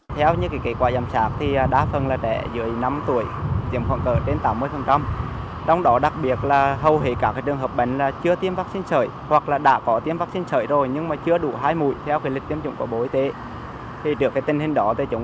theo những kỳ quả giảm sát đa phần là trẻ dưới năm tuổi diễm khoảng cỡ trên tám mươi